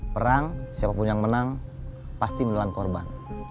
perang siapapun yang menang pasti menelan korban